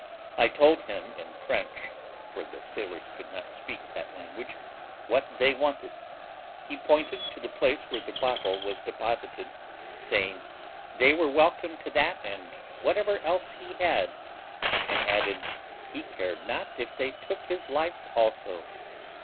I told him in French (for the sailors could not speak that language) what they wanted. He pointed to the place where the bottle was deposited, saying they were welcome to that and whatever else he had, and added he cared not if they took his life also.